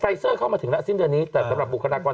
เซอร์เข้ามาถึงแล้วสิ้นเดือนนี้แต่สำหรับบุคลากร